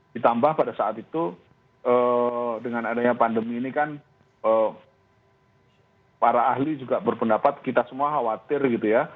ditambah pada saat itu dengan adanya pandemi ini kan para ahli juga berpendapat kita semua khawatir gitu ya